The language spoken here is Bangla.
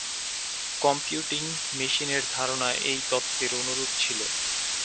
কম্পিউটিং মেশিন-এর ধারণা এই তত্ত্বের অনুরুপ ছিল।